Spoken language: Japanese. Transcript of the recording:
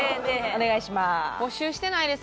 お願いします。